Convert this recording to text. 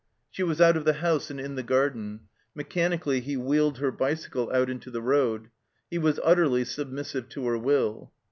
She was out of the house and in the garden. Mechanically he wheeled her bicycle out into the road. He was utterly submissive to her will.